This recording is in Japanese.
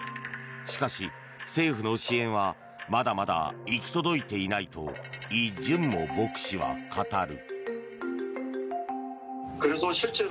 しかし、政府の支援はまだまだ行き届いていないとイ・ジュンモ牧師は語る。